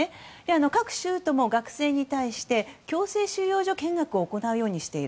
各州とも学生に対して強制収容所見学を行うようにしている。